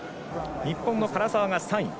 日本の唐澤が３位。